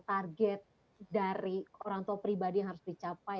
target dari orang tua pribadi yang harus dicapai